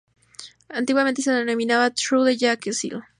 Antiguamente se denominaba "Trou-de-Jacquesil".